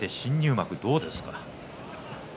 海どうですか？